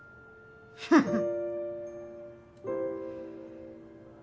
フフフ！